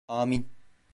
Âmin.